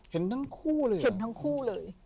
เห็นทั้งคู่เลยเห็นทั้งคู่เลย